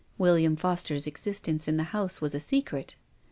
" William Foster's" existence in the house was a secret.